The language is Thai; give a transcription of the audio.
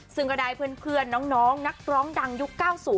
ซึ่งก็ได้เพื่อนน้องนักร้องดังยุค๙๐